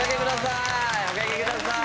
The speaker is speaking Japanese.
おかけください